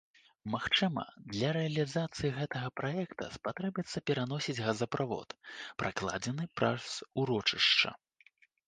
Магчыма, для рэалізацыі гэтага праекта спатрэбіцца пераносіць газаправод, пракладзены праз урочышча.